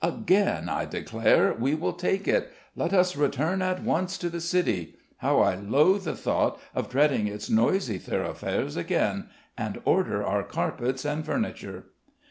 Again I declare, we will take it! Let us return at once to the city how I loathe the thought of treading its noisy thoroughfares again! and order our carpets and furniture."